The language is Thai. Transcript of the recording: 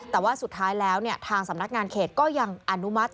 แต่ว่าสุดท้ายแล้วทางสำนักงานเขตก็ยังอนุมัติ